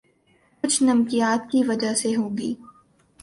کچھ نمکیات کی وجہ سے ہوگی